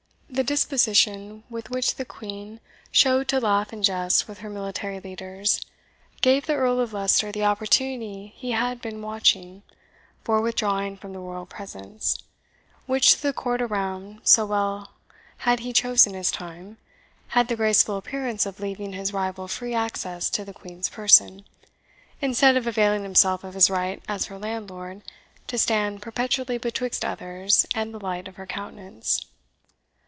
The disposition which the Queen showed to laugh and jest with her military leaders gave the Earl of Leicester the opportunity he had been watching for withdrawing from the royal presence, which to the court around, so well had he chosen his time, had the graceful appearance of leaving his rival free access to the Queen's person, instead of availing himself of his right as her landlord to stand perpetually betwixt others and the light of her countenance.